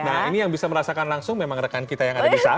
nah ini yang bisa merasakan langsung memang rekan kita yang ada di sana